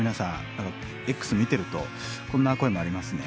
何かＸ見てるとこんな声もありますね。